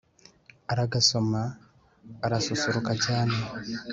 aragasoma arasusuruka cyane